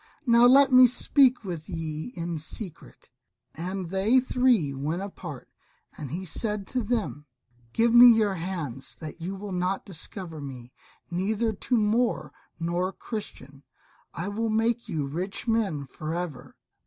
now let me speak with ye in secret." And they three went apart. And he said to them, "Give me your hands that you will not discover me, neither to Moor nor Christian! I will make you rich men for ever.